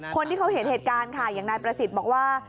คนที่เขาเห็นเหตุการณ์ค่ะอย่างนายประสิทธิ์บอกว่า